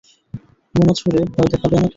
বোমা ছুড়ে ভয় দেখাবে আমাকে?